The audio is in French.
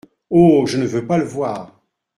Oh ! je ne veux pas le voir !